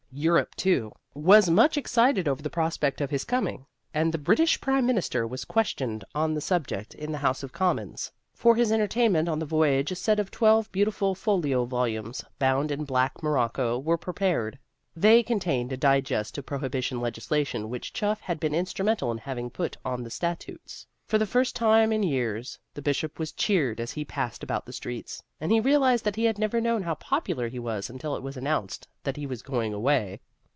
Europe, too, was much excited over the prospect of his coming, and the British prime minister was questioned on the subject in the House of Commons. For his entertainment on the voyage a set of twelve beautiful folio volumes, bound in black morocco, were prepared. They contained a digest of prohibition legislation which Chuff had been instrumental in having put on the statutes. For the first time in years the Bishop was cheered as he passed about the streets, and he realized that he had never known how popular he was until it was announced that he was going away.